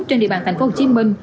trên địa bàn thành phố hồ chí minh